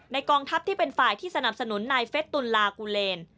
กองทัพที่เป็นฝ่ายที่สนับสนุนนายเฟสตุลลากูเลน